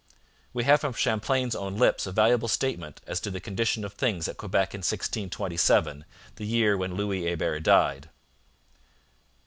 We have from Champlain's own lips a valuable statement as to the condition of things at Quebec in 1627, the year when Louis Hebert died.